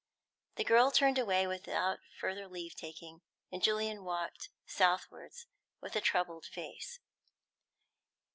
The girl turned away without further leave taking, and Julian walked southwards with a troubled face.